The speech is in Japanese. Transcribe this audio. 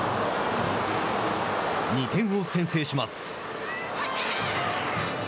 ２点を先制します。